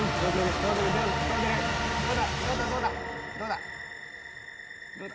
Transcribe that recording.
どうだ？